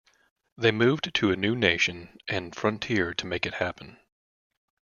They moved to a new nation and frontier to make it happen.